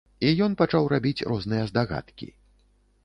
І ён пачаў рабіць розныя здагадкі.